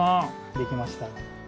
できました。